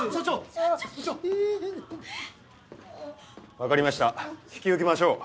分かりました引き受けましょう。